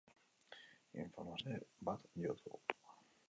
Informazio horren arabera, gazteak kontrola galdu eta bide-seinale bat jo du.